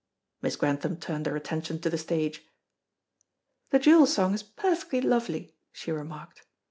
Miss Grantham turned her attention to the stage. "The Jewel song is perfectly lovely," she remarked.